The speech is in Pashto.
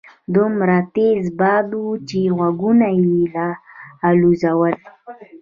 دومره تېز باد وو چې غوږونه يې الوځول.